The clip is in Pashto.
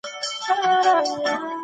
د سرطان ناروغان باید سکرینینګ ته ورشي.